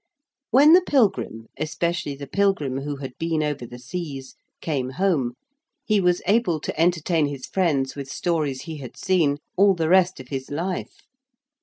When the pilgrim especially the pilgrim who had been over the seas came home, he was able to entertain his friends with stories he had seen all the rest of his life.